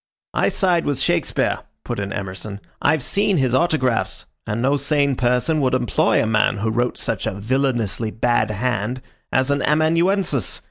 "I side with Shakespeare," put in Emerson. "I've seen his autographs, and no sane person would employ a man who wrote such a villanously bad hand as an amanuensis.